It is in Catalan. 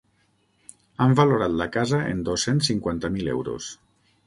Han valorat la casa en dos-cents cinquanta mil euros.